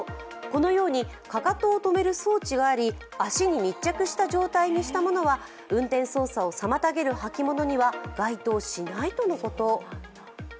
このようにかかとを止める装置があり、足に密着した状態にしたものは運転操作を妨げる履き物には該当しないとのこと。